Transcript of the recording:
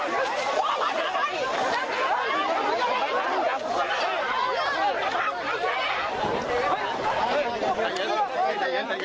เพราะว่ามันทำที่เกิดเหตุขึ้นไปต้อง